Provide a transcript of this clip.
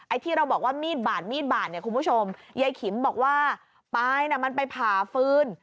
ที่เราบอกว่ามีดบาดมีดบาดเนี่ยคุณผู้ชมยายขิมบอกว่าปลายน่ะมันไปผ่าฟืน